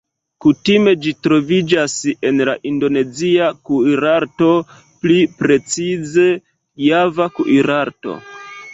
Kutime ĝi troviĝas en la Indonezia kuirarto, pli precize Java kuirarto.